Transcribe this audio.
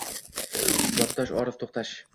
Suhbatdosh: Orif To‘xtash